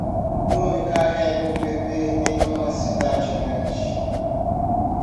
Um homem carrega um bebê em uma cidade grande.